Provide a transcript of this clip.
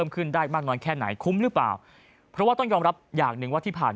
คุ้มหรือเปล่าเพราะว่าต้องยอมรับอย่างหนึ่งว่าที่ผ่าน